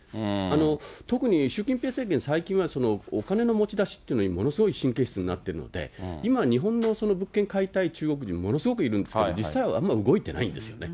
特に習近平政権、最近はお金の持ち出しっていうのにものすごい神経質になっているので、今、日本の物件買いたい中国人、ものすごいいるんですが、実際はあまり動いてないんですよね。